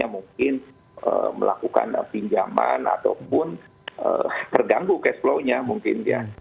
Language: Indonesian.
mungkin melakukan pinjaman ataupun terganggu cash flow nya mungkin ya